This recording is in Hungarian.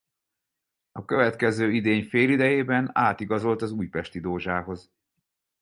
A következő idény félidejében átigazolt az Újpesti Dózsához.